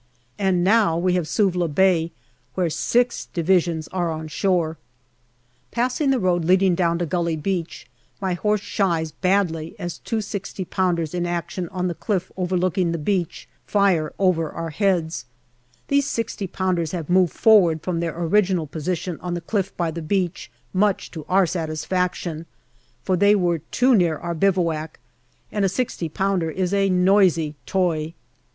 And now we have Suvla Bay, where six Divisions are on shore. AUGUST 197 Passing the road leading down to Gully Beach, my horse shies badly as two 6o pounders in action on the cliff overlooking the beach fire over our heads. These 6o pounders have moved forward from their original position on the cliff by the beach, much to our satisfaction, for they were too near our bivouac, and a 6o pounder is a noisy toy.